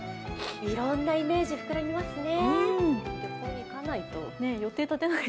いろんなイメージ膨らみますね。